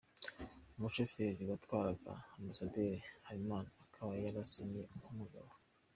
Umushoferi watwaraga Ambasaderi Habimana akaba yarasinye nk’umugabo.